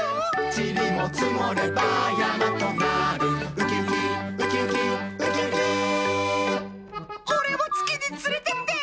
ちりもつもればやまとなるウキウキウキウキウキウキおれもつきにつれてって！